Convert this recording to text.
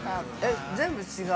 ◆全部違うの？